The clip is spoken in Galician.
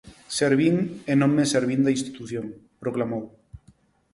"Servín e non me servín da institución", proclamou.